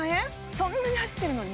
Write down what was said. そんなに走ってるのに？